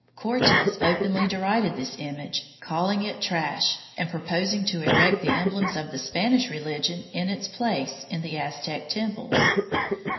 Cortes openly derided this image, calling it trash, and proposing to erect the emblems of the Spanish religion in its place in the Aztec temples.